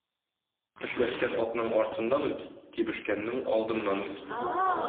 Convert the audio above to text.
Тешләшкән атның артыннан үт, тибешкәннең алдыннан үт.